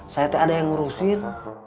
saya ada yang ngurusin